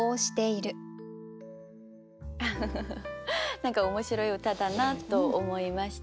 何か面白い歌だなと思いました。